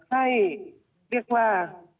ให้เรียกว่า